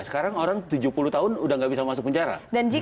sekarang orang tujuh puluh tahun udah gak bisa masuk penjara